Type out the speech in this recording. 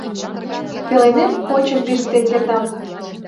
Пеленем «почым» пижыктен кертам.